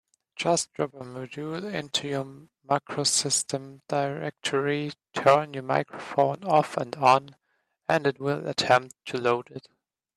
Just drop a module into your MacroSystem directory, turn your microphone off and on, and it will attempt to load it.